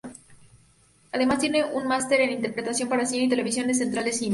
Además, tiene un máster en Interpretación para cine y televisión en "Central de Cine".